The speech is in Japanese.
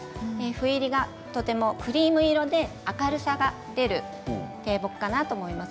ふ入りがとてもクリーム色で明るさが出る低木かなと思います。